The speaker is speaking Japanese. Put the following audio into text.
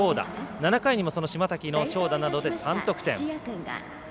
７回にも島瀧の長打などで３得点。